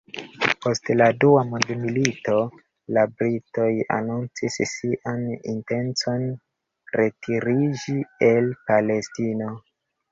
Poste de la Dua Mondmilito, la britoj anoncis sian intencon retiriĝi el Palestino.